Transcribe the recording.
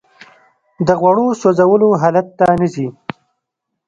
د غوړو سوځولو حالت ته نه ځي